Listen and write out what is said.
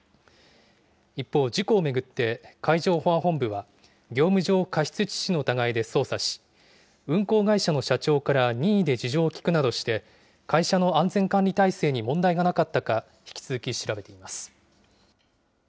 一方、事故を巡って、海上保安本部は、業務上過失致死の疑いで捜査し、運航会社の社長から任意で事情を聴くなどして、会社の安全管理体制に問題がなかったか、引き続き調べています。